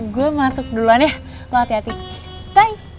gue masuk duluan ya lo hati hati baik